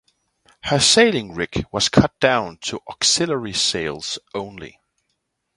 Her sailing rig was cut down to auxiliary sails only.